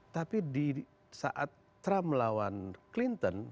tapi di saat trump melawan clinton